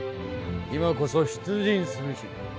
今こそ出陣すべし。